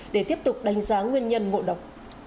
để tiếp tục đánh giá nguyên nhân ngộ độc